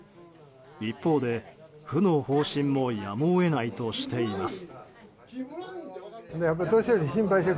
一方で、府の方針もやむを得ないとしています。